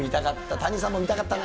谷さんも見たかったね。